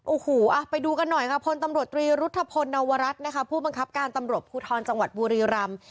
โอ้โหไปดูกันหน่อยค่ะพลตำรวจตรีรุธพลนวรัฐนะคะผู้บังคับการตำรวจภูทรจังหวัดบุรีรำ